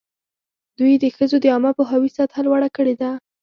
دوی د ښځو د عامه پوهاوي سطحه لوړه کړې ده.